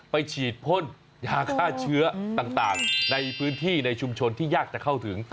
ไปฉีดพ่นยาฆ่าเชื้อต่างในพื้นที่ในชุมชนที่ยากจะเข้าถึง